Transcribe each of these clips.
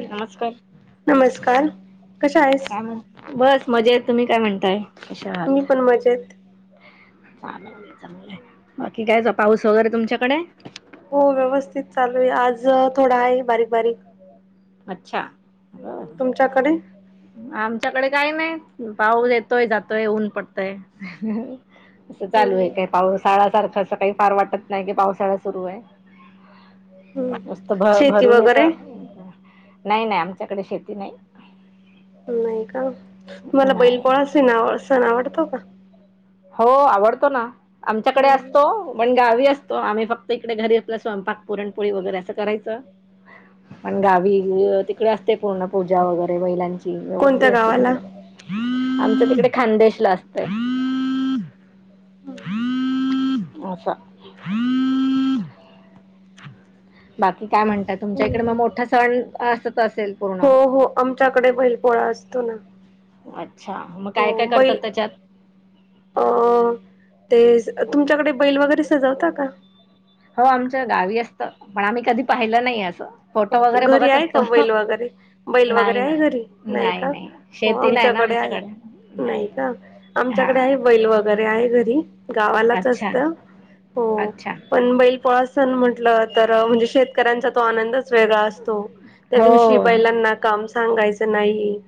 नमस्कार नमस्कार कशा आहेस काय म्हण बस मजेत तुम्ही काय म्हणताय? कशा आहात? मी पण मजेत बाकी काय पाऊस वगैरे तुमच्याकडे? हो व्यवस्थित चालू आहे आज थोडा आहे बारीक बारीक अच्छा ब चाकडे आमच्याकडे काही नाही पाऊस येतोय जातोय ऊन पडतय असं चालू आहे हम्म, काय पाऊसाळा सारखं असं काही फार वाटत नाही कि पावसाळा सुरू आहे हम्म. मस्त भ शेती भरून वगैरे येतं नाही नाही आमच्याकडे शेती नाही नाही का मला बैल नाही पोळा सीण सण आवडतो का? हो आवडतो ना आमच्याकडे हम्म. असतो पण गावी असतो तो आम्ही फक्त इकडे घरी आपल्या स्वयंपाक पुरणपोळी वगैरे असं करायचं. पणं गांवी तिकडे असते पूर्ण पूजा वगैरें महिलांची व्यवस्थित कोणत्या असते गावाला तिकडे आमचं तिके खान्देश लां असतेय हं अश्या हं बाकी कायं म्हणतांत तुमच्याकडे इकडे हम्म. मंग मोठां संण असतं असेलं हो हो आमच्यांकडे बैल पोळां असतो नां अच्छा मग हों काय काय करतात बईलं त्याच्यात? अं ते तुमच्यांकडे बैल वगैरें सजवतां कां हो आमच्यां गांवी असतां पणं आम्हीं कधीं पाहिलं नाहीं असं फोटो हो वगैरे घरी बघत आहे असतो. कां बैल वगैरें बैल वगैरे नाही आहे नाही घरी नाहीं नाही कां नाही हो शेती नाही ना आमच्यांकडे आहे आमच्याकडे नाहीं नाही. कां हा आमच्यांकडे आहे बैल वगैरें घरी घरी आहे गांवालाच अच्छा असतं हो अच्छा पणं बैईय पोळासणं म्हटलं तरं म्हणजे शेतकऱ्यांचा तो आनंदाचां वेगळां असतो त्यां हो दिवशी बैलांना कामं सांगायचं नाहीं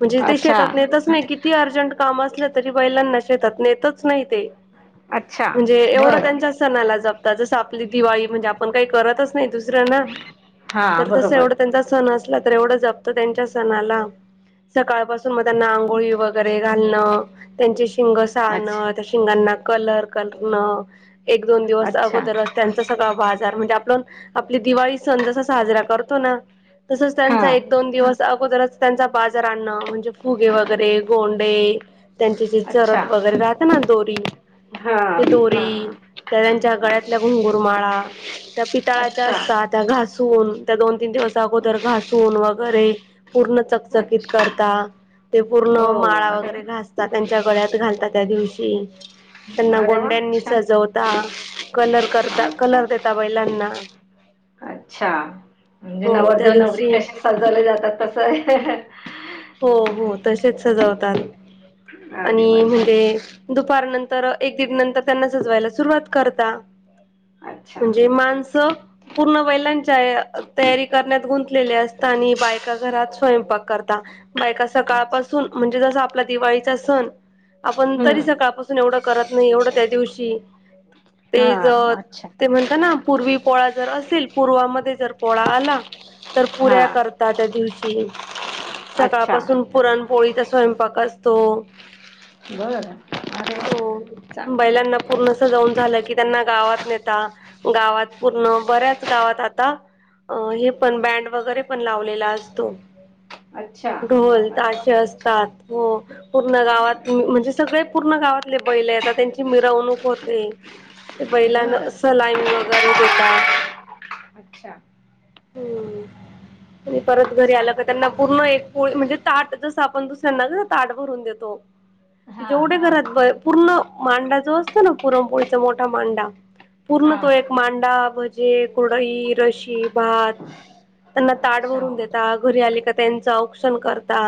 म्हणजे ते अच्छा शेतांत नेतचं नाहीं किती अर्जंट कामं असलं तरी बैलानां नेतं चं नाहीं अच्छा म्हणजेव बरं. त्यां सणांला जतातं जसं आपली दिवाळी म्हणजे आपणं कांहीं करतंच नाहीं दुसऱ्यांना हा तरं तसं बरोबर एवढं त्यांचा संण असलां तरं एवढं जप्तो त्यांच्या सणांला सकाळंपासून त्यांना आंघोळी वगैरें घालणं त्यांचे सिंग अच्छा सारंन शिंगांना कलर करं नं एक दोन दिवस अच्छा अगोदर त्यांचा सगळां बाजांर म्हणजे आपणं आपली दिवाळी सणं जसां सांजरा करतो नां तसंच हा त्यांचा एक दोन दिवस अगोदरचं त्यांचा बाजांर आणणं म्हणजे फुगे वगैरे गोंडे त्यांचे जे अच्छा चरट वगैरे राहते नां दोरी हा ते हा दोरी त्यां त्यांच्या गळ्यांतल्या अच्छ घुंगूरमांळा त्यां पितळांच्या अच्छा असतांत त्यां घासूंन त्यां दोन तीन दिवसं अगोदर घासूंन वगैरें पूर्ण चकचकीत अच्छा करतां ते हो पूर्ण मांळा अरे वगैरें घांस त्यांच्या गळ्यांत घालतां त्यां दिवशी त्यांना अरे वा गोंड्यांनी अच्छा सजवतां कलर देतां अच्छा कलर देतां बैलांना अच्छा म्हणजे हो त्या नवर्धव नवरी दिवशी कशी सजवले जातांत तसं आहे हो हो तसेच सजवतांत अरे वा आणि म्हणजे छान दुपार नंतर एक दीड नंतर त्यांना सजवायंला सुरुवानत करतांत म्हणजे छान माणसं पूर्ण बैलांच्या तयारी करण्यांत गुंतलेल्या असतांत आणि बायकां घरांत स्वयंपाक करतां बायकां अच्छा अच्छा सकाळंपासून म्हणजे जसं आपलां दिवाळीचा संण आपणं तरी हम्म सकाळंपासून एवढं करतं नाहीं एवढं त्यां दिवशी ते हा जे अच्छा ते म्हणतांत नां पूर्वी पोळा जरं असेल पूर्वामध्ये जरं पोळा आंला तरं हा पुऱ्यां करतांत त्यां त्यां दिवशी अच्छा सकाळंपासून पुरणंपोळीचां स्वयंपाक असतों बरं अरे वा हो चांगलं बैलांना पूर्ण संजांऊन झालं कि त्यांनां गावांत नेता गावांत पूर्ण बऱ्यांच गावांत आंता अं हे पणं बँड वगैरें पणं लावलेला असतों अच्छा ढोल अरे ताशे वा असे छान असतांत हो पूर्ण गावांत म्हणजे सगळें पूर्ण गावांत बैले त्यांची मिरवणूंक होते ते बैलांना बरं सलामी वगैरें देतांत तां अच्छा हम्म आणि परत घरी छान आला का म्हणजे त्यांना आपण पूर्ण एक पोळी म्हणजे ताट जस आपण दुसऱ्यांना ताट भरून देतो हा जेवढे हा घरात पूर्ण मांडा जो असतो ना पुरण पोळीचा मोठा मांडा पूर्ण हा तो एक मांडा भजे कुरडई रशी भात त्यांना ताट अच्छा भरून देता घरी आले का त्यांच औक्षन करता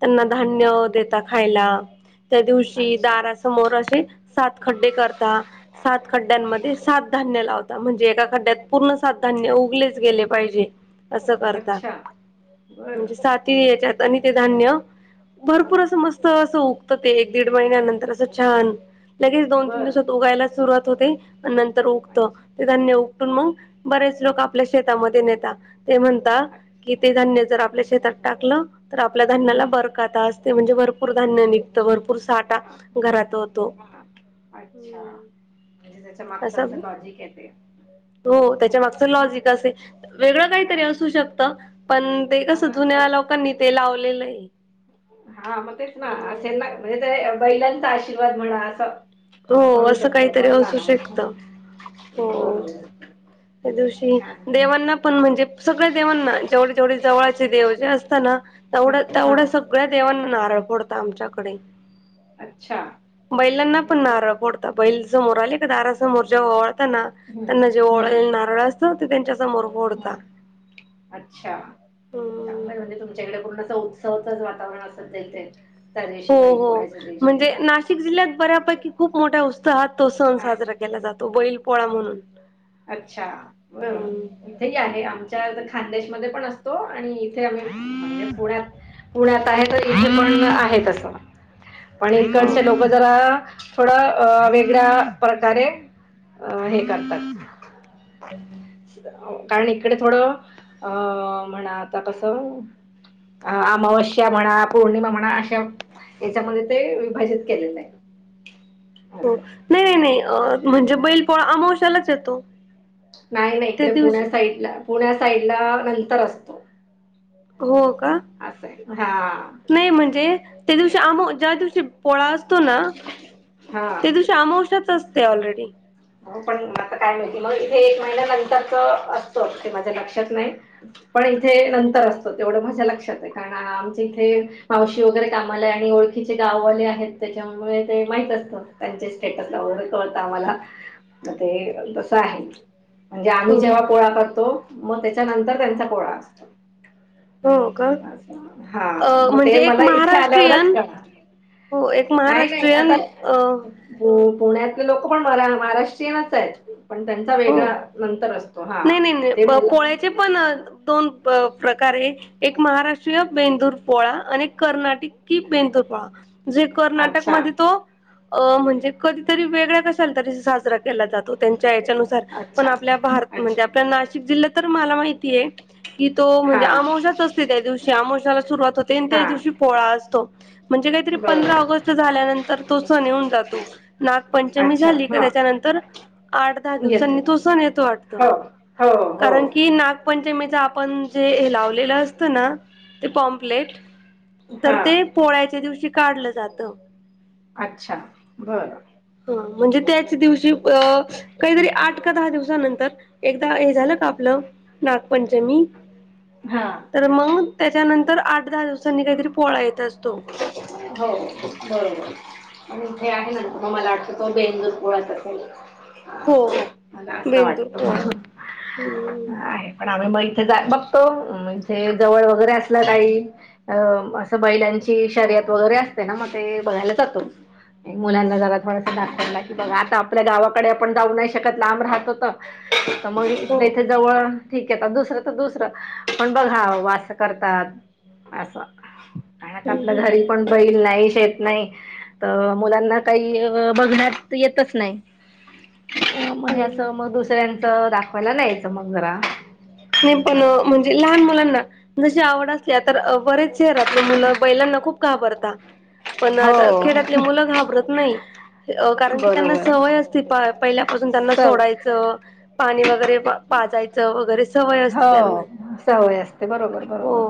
त्यांना धान्य बर. देता खायला त्या दिवशी अच्छा दारासमोर असे सात खड्डे करता सात खड्ड्यांमध्ये सात धान्य लावता म्हणजे एका खड्ड्यात पूर्ण सात धान्य उगलेच गेले पाहिजे असं करता अच्छा बर म्हणजे साती याच्यात आणि ते धान्य भरपूर असं मस्त असं उगतं ते एक दीड महिन्यानंतर असं छान लगेच दोन तीन बर दिवसात उगायला सुरवात होते आणि नंतर उगतं अच्छा ते धान्य उपटून मग बरेच लोक आपल्या शेतामध्ये नेतात ते म्हनता की ते धान्य जर आपल्या शेतात टाकलं तर आपल्या धान्याला हम्म. बरकात असते म्हणजे भरपूर धान्य निघतं भरपूर साठा हा घरात होतो हा अच्छा म्हणजे त्याच्या मागच अस असं लॉजिक आहे ते हो त्याच्या मागच लॉजिक असे वेगळं हा. काहीतरी असू शकतं पण ते हा कसं जुन्या असं लोकांनी ते लावलेलं आहे हा मग तेच ना असेल ना म्हणजे ते बैलांचा आशीर्वाद म्हणा असं हो असं काहीतरी असू शकतं बर त्या दिवशी देवांना पण म्हणजे सगळ्या देवांना जेवढे जेवढे जवळाचे देव जे असता ना हा तेवढं हा तेवढं सग गळ्या देवांना नारळ फोडता आमच्याकडे अच्छा. बैलांना म्हणजे पण नारळ फोडता बैल समोर आले का दारासमोर जे ओवाळताना हम्म त्यांना जे नारळ अस हो त्यांच्या समोर फोडता हम अच्छा हम्म चांगलं आहे म्हणजे तुमच्याकडे पूर्ण अस उत्सवाचंच वातावरण असल हो हो म्हणजे ना शिक जिल्ह्यात बऱ्यापैकी खूप मोठ्या उत्साहात तो सण आ, साजरा केला जातो बैल पोळा म्हणून अच्छा हम्म बर इथेही आहे आमच्या खान्देश मध्ये पण असतो आणि इथे आम्ही पुण्यात पुण्यात आहे तर इथे पण आहे तसं पण हो इकडचे लोक म जरा थोडं वेगळ्या प्रकारे हे करतात [inaudible] कारण इकडे थोडं अ म्हणा आता कसं अ अमावश्या म्हणा पौर्णिमा म्हणा अशा याच्यामध्ये ते विभाजित केलेलं आहे हो असं नाही नाही नाही अ म्हणजे बैल पोळा अमावश्यालाच येतो नाही नाही त्या इकडे दिवशी पुण्या साईडला पुण्या साईडला नंतर असतो हो का असं आहे हा नाही म्हणजे त्या दिवशी आम ज्या दिवशी पोळा असतो ना हा त्या दिवशी अमावश्याच अस ते ऑलरेडी हो पण आता काय माहिती मग इथे एक महिन्या नंतरच असतं ते माझ्या लक्षात नाही पण इथे नंतर असतो तेवढं माझ्या लक्षात आहे कारण आमच्या इथे मावशी वगैरे कामाला ये आणि ओळखीचे गाववाले आहेत, त्याच्यामुळे ते माहित असतं. त्यांच्या स्टेटस [unintelligible] अवर कळत आम्हाला. म ते तस आहे, म्हणजे आम्ही हो जेव्हा पोळा करतो मग त्याच्यानंतर त्यांचा पोळा असतो. हो का अ हां मग ते म्हणजे एक मला इथे आल्यावरच महाराष्ट्रीयन कळा हो एक नाही नाही, आता महाराष्ट्रीयन अ पु-पुण्यातले लोक पण मरा-महाराष्ट्रीयनच आहेत, पण त्यां चा हो वेगळा नंतर असतो हां, नाही नाही नाही ते प मला पोळ्याचे पण दोन प-प्रकारे एक महाराष्ट्र ष्ट्रीय बेंदूर पोळा आणि कर्नाटिकी बेंदूर पोळा, जे कर्नाटक अच्छा मध्ये तो अ म्हणजे कधीतरी वेगळ्या कशाला तरी साजरा केला जातो, त्यांच्या याच्यानुसार पण अच्छा आपल्या भार, अच्छा म्हणजे आपल्या नाशिक जिल्हात तर मला माहितीये कि तो हा म्हणजे आमावशाच असते, त्या दिवशी आमोशाला सुरुवात होते अन त्या हा दिवशी पोळा असतो. म्हणजे काहीतरी पंधरा बरोबर ऑगस्ट झाल्यानंतर, तो सण येऊन जातो. नागपंचमी अच्छा झाली का हा त्याच्यानंतर, आठ दहा दिवस सनी येतो तो सण येतो वाटत, हो हो हो कारण की नाग पंचमीच आपण जे हे लावलेलं असतं ना, ते पॉम्पलेट तर हा ते पोळ्याच्या दिवशी काढलं जातं. अच्छा, बरं हं म्हणजे त्याच दिवशी अ काहीतरी हम्म. आठ का दहा दिवसानंतर एकदा हे झालं का आपलं, नागपंचमी हां. तर मग त्याच्यानंतर आठ दहा दिवसांनी काहीतरी पोळा येत असतो. हो, बरोबर. आणि इथे आहे ना, तो मला वाटत तो बेंदुर पोळाचा हो हो [unintelligible] मला असं बेंदूर वाटतं पोळा हम्म [unintelligible] आहे. पण आम्ही मग इथे बघतो, इथे जवळ वगैरे असलं काही अ असं बैलांची शर्यत वगैरे असते ना, मग ते बघायला जातो मि. मुलांना जरा थोडासा दाखवला की, बघा आता आपल्या गावाकडे आपण जाऊ नाही शकत, लांब राहतो तर [inaudible] [unintelligible] इथल्या हो इथं जवळ ठीक ये, तर दुसरं, तर दुसरं पण बघा व अस करतात, असं. आपलं हम्म घरी पण बैल नाही, शेत नाही. त मुलांना काही बघण्यात, येतच नाही. मग हे हम्म असं, म दुसऱ्यांचं दाखवायला न्यायचं मग जरा. नही पण, असं. म्हणजे लहान मुलांना जशी आवड असल्या, तर बरेच शहरातले मुलं बैलांना खूप काबरताात. पण त हो खेड्यातले मुलं घाबरत नाही. अ कारण की त्यांना बरोबर सवय असते, प-प हिल्यापासून त्यांना सव सोडायचं. पाणी वगैरे प-पाजयचं वगैरे स हो सवय असते, बरोबर-बरोबर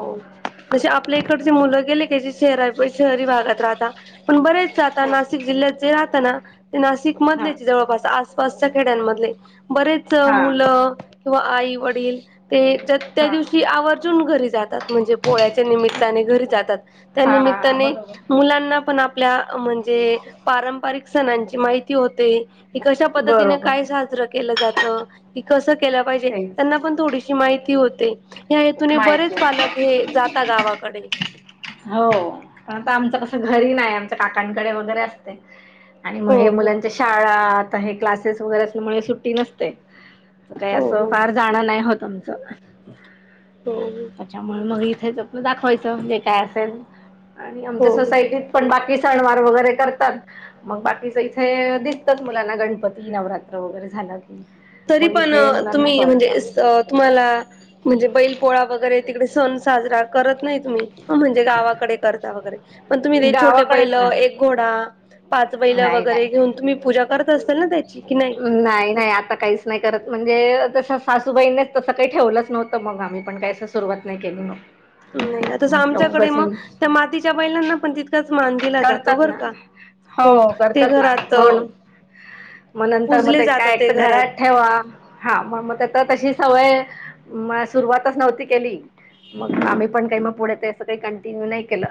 जशे आपल्या इकडचे मुलं गेले कीं, ते शरा-शहरी भागात राहता, पण बरेच साठाणा, नाशिक जिल्ह्यात जे राहता ना, ते नाशिक हा मदलेच जवळास, आस पासच्या खेड्यांमधले, बरेच हा मुलं किंवा आई वडील ते ज त्या हा दिवशी आवर्जून घरी जातात. म्हणजे पोळ्याच्या निमित्ताने घरी जातात, त्या हा निमित्ताने, बरोबर मुलांना पण आप ल्या म्हणजे पारंपारिक सणांची माहिती होते. की कशा पद्धतीने बरोबर काय साजरं केलं जातं, की कसं केलं पाहिजे, त्यांना तेच पण थोडीशी माहिती होते, ह्या हेतूने माहिती बरेच पालक हे जाता गावाकडे. हो, पण आता आमच कसं घरी नाही आमच काकांकडे वगैरे असते. आणि म हो हे हो मुलांच्या शाळा आता हे क्लासेस वगैरे असल्यामुळे सुट्टी नसते. काय हो असं हो फार जाणं नाही होत आमचं. हम्म. त्याच्यामुळे मग इथेच आपल दाखवायचं जे काय असेल, आणि आमच्या हो हो सोसायटीत पण बाकी सणवार वगैरे करतात. मग बाकीच इथे दिसतात मुलांना गणपती, नवरात्र वगैरे झालं की. तरी मग पण इथे मुलांना तुम्ही म्हणजे कळत अस तुम्हाला, म्हणजे बैल पोळा वगैरे तिकडे सण साजरा करत नाहीत मी, म्हणजे गावाकडे करता वगैरे, पण तुम्ही ते छोटे बैल गावाकडेच ना एक घोडा पाच बैल नाही वगैरे नाही घेऊन तुम्ही पूजा करत असताल ना त्याची की नाही? नाही नाही आत्ता काहीच नाही करत म्हणजे कसं सासूबाईंनेच तसं काही ठेवलंच नव्हतं मग आम्ही पण काय अस सुरुवात नाही केली म. नाही तसं आमच्याकडे म, त्या मातीच्या बैलांना पण तितकाच मान दिला जातो करतात बरं ना का. हो, ते घरात म नंतर म ते काय एक तर घरात ठेवा. हा म म त-तशी सवय, म सुरुवातच नव्हती केली. मग आम्ही पण काय म पुढे ते असं काही कंटिन्यू नाही केलं.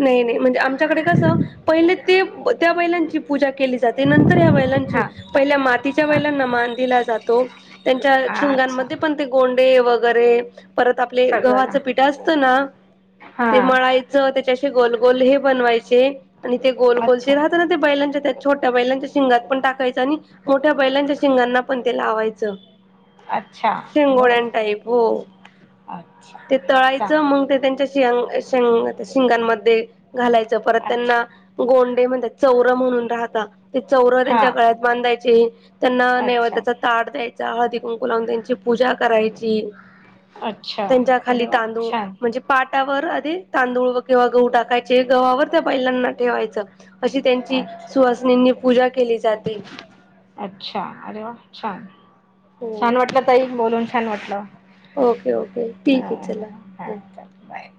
नाही नाही म्हणजे आमच्याकडे कसं पहिले ते त्या बैलांची पूजा केली जाते नंतर ह्या बैलां ची, हा पहिले मातीच्या बैलांना मान दिला जातो, त्यांच्या हा अच्छा शिंगांमध्ये पण ते गोंडे वगैरे, परत आपले गव्हाच सगळं पिठ असतं ना, हा ते मळाय चं त्याचे असे गोल गोल हे बनवायचे, आणि ते गोल गोल जे अच्छा राहत न बैलांच्या त्या छोट्या बैलांच्या शिंगात पण टाकायच आणि मोठ्या बैलांच्या शिंगांना पण ते लावायचं. अच्छा शिंगोळ्या बरं न टाईप हो, अच्छा ते तळायचं चांग मग ते त्यांच्या शंग - शिंग - शिंगांमध्ये घालायचं परत त्यांना अच्छा गोंडे म्हणतात, चौरा म्हणून राहता, ते चौर हा त्यांच्या गळ्यात बांधायचे. त्यांना अच्छा नैवेद्याच ताट द्यायचा हळदी कुंकू लावून त्यांची पूजा करायची. अच्छा त्यांच्या खाली अरे वा तांदूळ, छान म्हणजे पाटावर आधी तांदूळ किंवा गहू टाकायचे गव्हावर त्या बैलांना ठेवायचं. अशी त्यांची अच्छा सुहासनींनी पूजा केली जाते. अच्छा अरे वा छान, हो छान वाटलं ताई बोलून छान वाटलं. ओके ओके ठीक हा आहे चला. हा हो चालेल बाय